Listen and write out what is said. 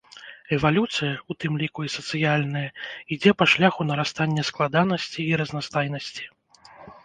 Эвалюцыя, у тым ліку і сацыяльная, ідзе па шляху нарастання складанасці і разнастайнасці.